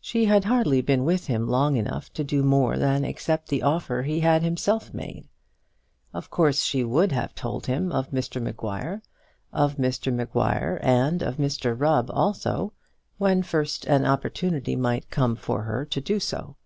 She had hardly been with him long enough to do more than accept the offer he had himself made. Of course she would have told him of Mr Maguire, of Mr Maguire and of Mr Rubb also, when first an opportunity might come for her to do so.